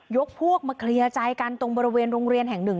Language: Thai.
พวกมาเคลียร์ใจกันตรงบริเวณโรงเรียนแห่งหนึ่ง